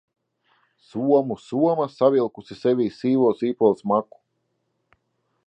Somu soma savilkusi sevī sīvo sīpolu smaku.